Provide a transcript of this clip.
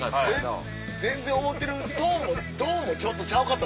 全然思ってるトーンもちょっとちゃうかった。